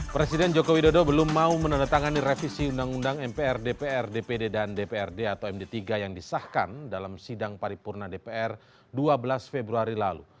presiden jokowi dodo belum mau menandatangani revisi undang undang mpr dpr dpd dan dprd atau md tiga yang disahkan dalam sidang paripurna dpr dua belas februari lalu